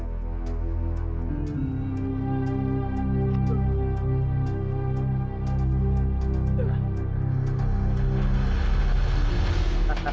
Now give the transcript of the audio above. prayulah aplicasi kesayanganmu dengan talian